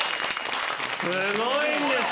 すごいんです！